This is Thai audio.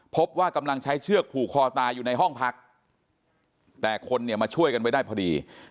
พบว่ากำลังใช้เชือกผูกคอตายอยู่ในห้องพักแต่คนเนี่ยมาช่วยกันไว้ได้พอดี